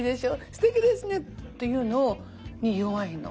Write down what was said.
すてきですね！」っていうのに弱いの。